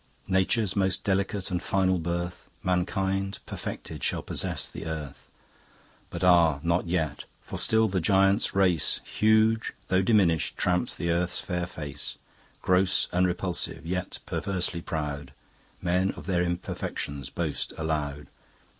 Nature's most delicate and final birth, Mankind perfected shall possess the earth. But ah, not yet! For still the Giants' race, Huge, though diminish'd, tramps the Earth's fair face; Gross and repulsive, yet perversely proud, Men of their imperfections boast aloud.